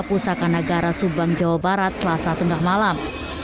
pusaka negara subang jawa barat selasa tengah malam